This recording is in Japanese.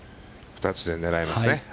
２つで狙えますね。